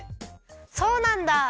そうなんだ！